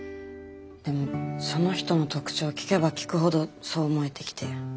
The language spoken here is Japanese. でもその人の特徴を聞けば聞くほどそう思えてきて。